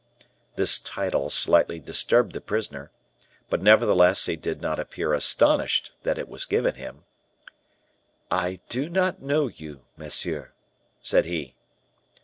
This title slightly disturbed the prisoner; but nevertheless he did not appear astonished that it was given him. "I do not know you, monsieur," said he.